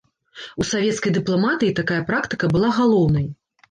У савецкай дыпламатыі такая практыка была галоўнай.